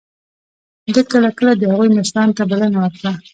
ده کله کله د هغوی مشرانو ته بلنه ورکړه.